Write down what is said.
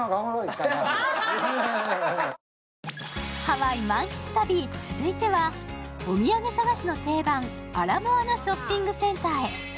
ハワイ満喫旅、続いてはお土産探しの定番、アラモアナショッピングセンターへ。